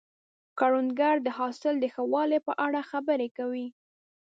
کروندګر د حاصل د ښه والي په اړه خبرې کوي